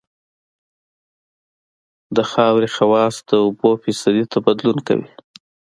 د خاورې خواص د اوبو فیصدي ته بدلون کوي